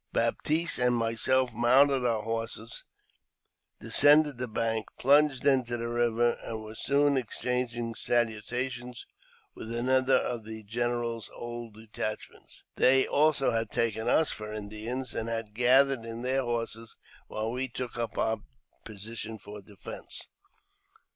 Baptiste and myself mounted our horses, descended the bank, plunged into the river, and were soon exchanging salutations with another of the general's old detachments. They also had taken us for Indians, and had gathered in their horses while we took up >our position for defence.